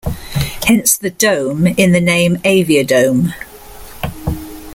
Hence the 'dome' in the name Aviodome.